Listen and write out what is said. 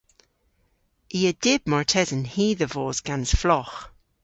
I a dyb martesen hi dhe vos gans flogh.